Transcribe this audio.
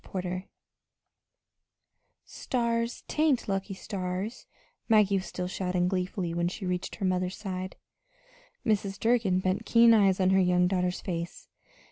CHAPTER XVII "Stars t'ank lucky stars," Maggie was still shouting gleefully when she reached her mother's side. Mrs. Durgin bent keen eyes on her young daughter's face.